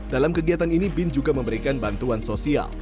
dalam kegiatan ini bin juga memberikan bantuan sosial